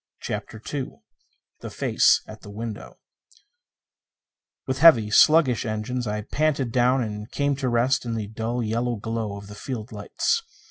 CHAPTER II The Face at the Window With heavy, sluggish engines I panted down and came to rest in the dull yellow glow of the field lights.